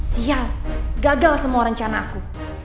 siang gagal semua rencana aku